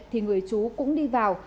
thì người chú cũng đi vào